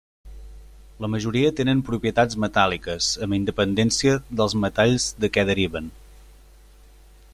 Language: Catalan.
La majoria tenen propietats metàl·liques amb independència dels metalls de què deriven.